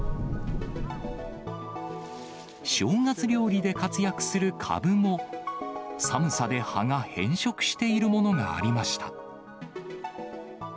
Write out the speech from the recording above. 正月料理で活躍するカブも、寒さで葉が変色しているものがありました。